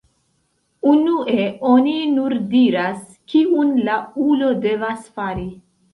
Unue oni nur diras, kiun la ulo devas fari.